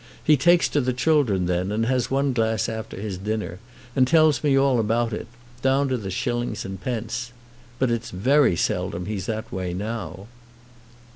He takes to the children then, and has one glass after his dinner, and tells me all about it, down to the shillings and pence. But it's very seldom he's that way now."